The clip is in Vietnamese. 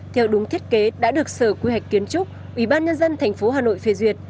theo đúng thiết kế đã được sở quy hạch kiến trúc ủy ban nhân dân thành phố hà nội phê duyệt